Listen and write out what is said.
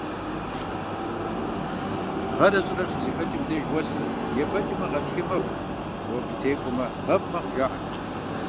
Гъэрэ щӀырэ щызэхэкӀым деж уэсыр ебэкӀмэ гъатхей мэхъу, уэфӀыр текӀуэмэ гъэфӀ мэхъу, жаӀэрт.